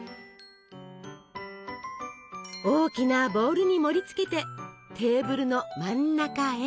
大きなボウルに盛りつけてテーブルの真ん中へ。